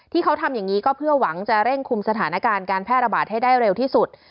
ที่เขาทำอย่างนี้ก็เพื่อหวังจะเร่งคุมสถานการณ์การแพร่ระบาดให้ได้เร็วที่สุด